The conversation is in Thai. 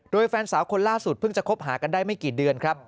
โดยแฟนสาวคนล่าสุดเพิ่งจะคบหากันได้ไม่กี่เดือนครับ